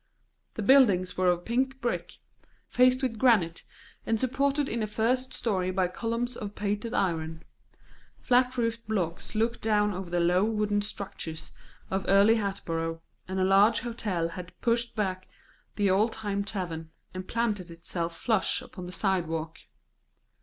The buildings were of pink brick, faced with granite, and supported in the first story by columns of painted iron; flat roofed blocks looked down over the low wooden structures of earlier Hatboro', and a large hotel had pushed back the old time tavern, and planted itself flush upon the sidewalk.